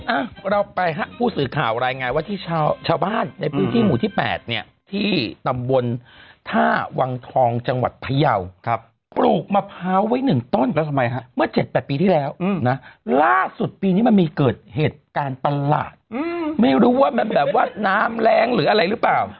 อ่ะเราไปฮะผู้สื่อข่าวรายงานว่าที่ชาวบ้านในพื้นที่หมู่ที่๘เนี่ยที่ตำบลท่าวังทองจังหวัดพยาวครับปลูกมะพร้าวไว้หนึ่งต้นแล้วทำไมฮะเมื่อ๗๘ปีที่แล้วนะล่าสุดปีนี้มันมีเกิดเหตุการณ์ประหลาดไม่รู้ว่ามันแบบว่าน้ำแรงหรืออะไรหรือเปล่า